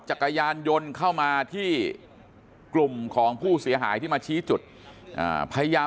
จักรยานยนต์เข้ามาที่กลุ่มของผู้เสียหายที่มาชี้จุดพยายาม